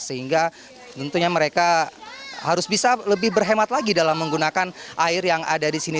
sehingga tentunya mereka harus bisa lebih berhemat lagi dalam menggunakan air yang ada di sini